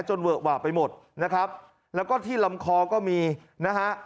เวอะหวะไปหมดนะครับแล้วก็ที่ลำคอก็มีนะฮะ